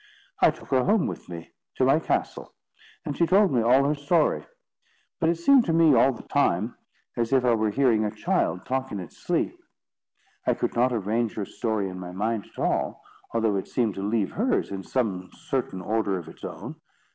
"I took her home with me to my castle, and she told me all her story; but it seemed to me, all the time, as if I were hearing a child talk in its sleep. I could not arrange her story in my mind at all, although it seemed to leave hers in some certain order of its own.